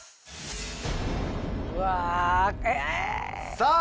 さあ